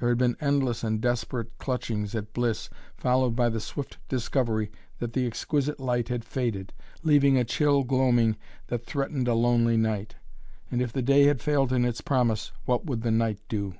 There had been endless and desperate clutchings at bliss, followed by the swift discovery that the exquisite light had faded, leaving a chill gloaming that threatened a lonely night. And if the day had failed in its promise what would the night do?